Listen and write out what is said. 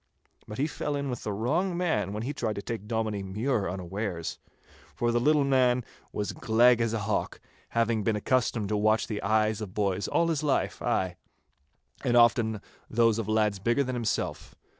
But he fell in with the wrong man when he tried to take Dominie Mure unawares, for the little man was as gleg as a hawk, having been accustomed to watch the eyes of boys all his life, ay, and often those of lads bigger than himself.